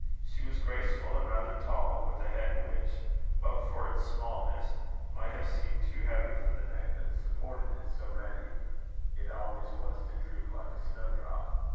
She was graceful and rather tall, with a head which, but for its smallness, might have seemed too heavy for the neck that supported it, so ready it always was to droop like a snowdrop.